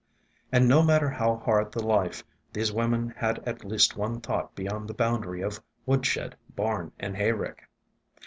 And no matter how hard the life, these women had at least one thought beyond the boundary of woodshed, barn, and hayrick.